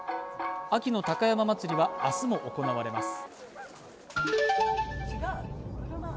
秋の高山祭は明日も行われます。